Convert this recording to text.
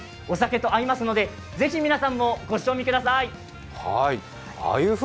お酒と合いますので、ぜひ皆さんもご賞味ください。